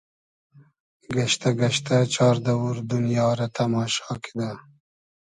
گئشتۂ گئشتۂ چار دئوور دونیا رۂ تئماشا کیدۂ